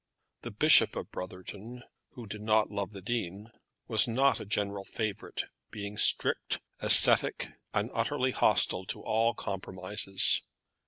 The Bishop of Brotherton, who did not love the dean, was not a general favourite, being strict, ascetic, and utterly hostile to all compromises.